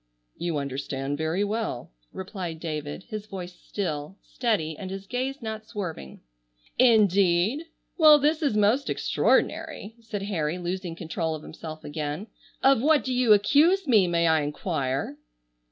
"You understand very well," replied David, his voice still, steady and his gaze not swerving. "Indeed! Well, this is most extraordinary," said Harry, losing control of himself again. "Of what do you accuse me, may I enquire?"